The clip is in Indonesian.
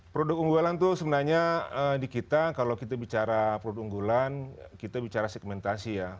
produk unggulan itu sebenarnya di kita kalau kita bicara produk unggulan kita bicara segmentasi ya